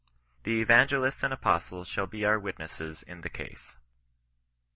The evangelists and apostles shall be our wit nesses in the case.